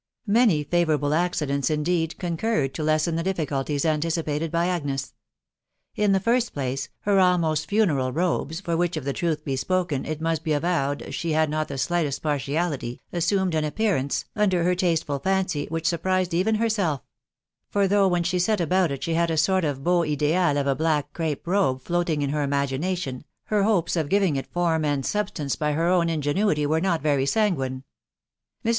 Many Ja* vourable accidents, indeed, concurred to lessen the difficult) anticipated by Agnes, In the fast place, her almost funeral robes (ibr which, if the truth be spoken, it must he avowed aha had not the slightest partiality) assumed an appearance, coder her tasteful fancy, which surprised even Jierself ; for chough, when she *et about it, ahe had a cort of beau ieUal of a black crape robe Moating in her imagination, her hopes of giving it form and sub&tance Ijy her own ingenuity wete asfeNCfg guine. Mrs.